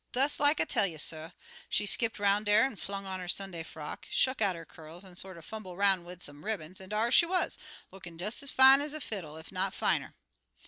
"Des like I tell you, suh she skipped 'roun' dar, an' flung on 'er Sunday frock, shuck out 'er curls, an' sorter fumble' 'roun' wid some ribbons, an' dar she wuz, lookin' des ez fine ez a fiddle, ef not finer.